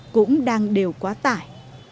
cũng đang đều quá tải